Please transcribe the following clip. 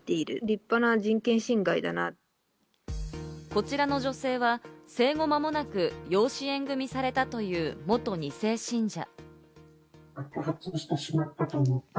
こちらの女性は生後間もなく、養子縁組されたという元２世信者。